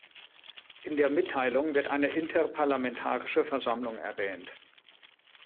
In der Mitteilung wird eine Interparlamentarische Versammlung erwähnt.